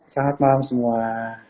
selamat malam semua